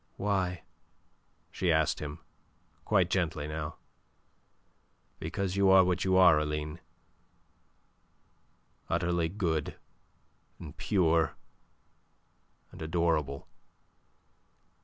"Why?" she asked him, quite gently now. "Because you are what you are, Aline utterly good and pure and adorable.